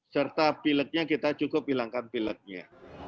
serta pileknya kita cukup hilangkan pileknya